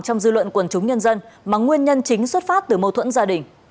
trong dư luận quần chúng nhân dân mà nguyên nhân chính xuất phát từ mâu thuẫn gia đình